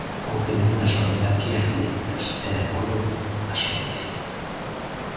A opinión das oligarquías políticas é de apoio a Soros.